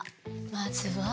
まずは。